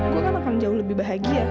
gue kan akan jauh lebih bahagia